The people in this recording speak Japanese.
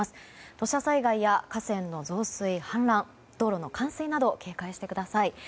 土砂災害や河川の増水や氾濫道路の冠水など警戒してください。